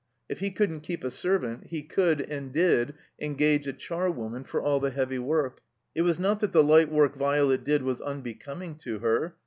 If he couldn't keep a servant, he could, and did, engage a char woman for all the heavy work. It was not that the light work Violet did was unbecoming to her.